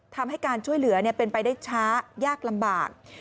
ทำให้การช่วยเหลือเป็นไปได้ช้ายากลำบาก